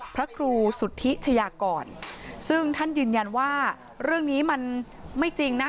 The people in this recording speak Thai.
พระครูสุธิชยากรซึ่งท่านยืนยันว่าเรื่องนี้มันไม่จริงนะ